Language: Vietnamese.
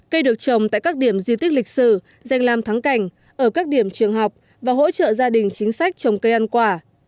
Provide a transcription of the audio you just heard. cây được trồng tại các điểm di tích lịch sử danh làm thắng cảnh ở các điểm trường học và hỗ trợ gia đình chính sách trồng cây ăn quả